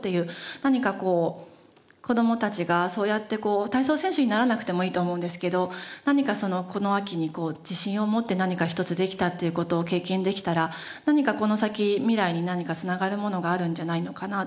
何かこう子どもたちがそうやって体操選手にならなくてもいいと思うんですけど何かこの秋に自信を持って何か一つできたっていう事を経験できたら何かこの先未来に何か繋がるものがあるんじゃないのかなって。